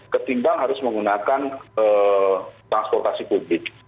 ketimbang harus menggunakan transportasi publik